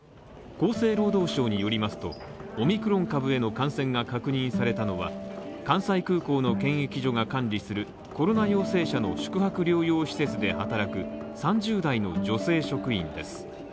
厚生労働省によりますと、オミクロン株への感染が確認されたのは関西空港の検疫所が管理するコロナ陽性者の宿泊療養施設で働く３０代の女性職員です。